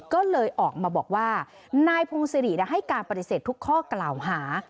ก็เลยออกมาบอกว่านายพงศิริให้การปฏิเสธทุกข้อกล่าวหา